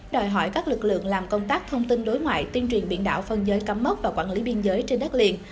đòi hỏi các lực lượng làm công tác thông tin đối ngoại tuyên truyền biển đảo phân giới cắm mốc và quản lý biên giới trên đất liền